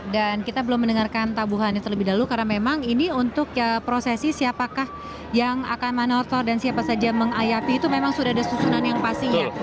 dan kita belum mendengarkan tabuhannya terlebih dahulu karena memang ini untuk prosesi siapakah yang akan manortor dan siapa saja mengayapi itu memang sudah ada susunan yang pastinya